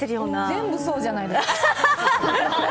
全部そうじゃないですか。